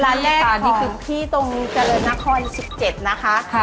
ร้านแรกของพี่คือที่ตรงเจริญนคร๑๗นะคะ